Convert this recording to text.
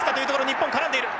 日本絡んでいる。